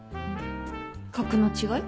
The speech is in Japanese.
格の違い？